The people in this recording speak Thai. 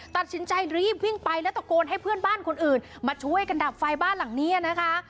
ตัดสินใจรีบวิ่งไปแล้วตะโกนให้เพื่อนบ้านคนอื่นมาช่วยกันดับไฟบ้านหลังนี้นะคะ